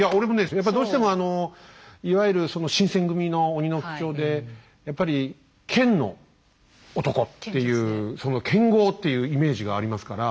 やっぱりどうしてもいわゆる新選組の鬼の副長でやっぱり剣の男っていうその剣豪っていうイメージがありますから。